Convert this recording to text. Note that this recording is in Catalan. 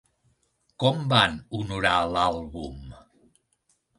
Com van honorar l'àlbum?